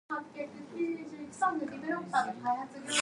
She was the second of seven children.